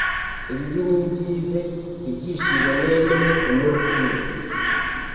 ibibi n’ibyize, ibyishimo n’emeumunsibe.